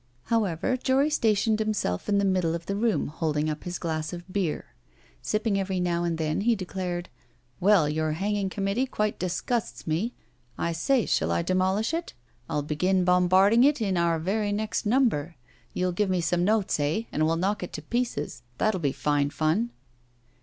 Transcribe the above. However, Jory stationed himself in the middle of the room, holding up his glass of beer. Sipping every now and then, he declared: 'Well, your hanging committee quite disgusts me! I say, shall I demolish it? I'll begin bombarding it in our very next number. You'll give me some notes, eh? and we'll knock it to pieces. That will be fine fun.